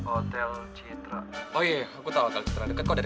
oh iya iya aku tahu hotel citra dekat kok